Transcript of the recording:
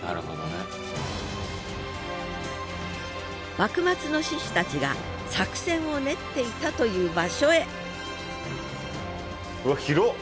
幕末の志士たちが作戦を練っていたという場所へうわ広っ！